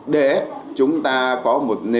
để chúng ta có một nền nông nghiệp